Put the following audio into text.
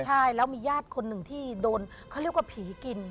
ใช่แล้วมีญาติคนหนึ่งที่โดนเขาเรียกว่าผีกิน